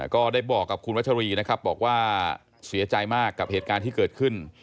ก็ได้บอกกับคุณวัชรีนะครับบอกว่าเสียใจมากกับเหตุการณ์ที่เกิดขึ้น